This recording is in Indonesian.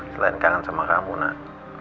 selain kangen sama kamu nak